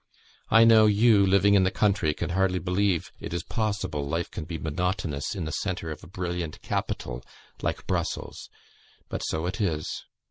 I know you, living in the country, can hardly believe it is possible life can be monotonous in the centre of a brilliant capital like Brussels; but so it is.